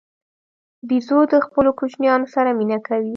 بیزو د خپلو کوچنیانو سره مینه کوي.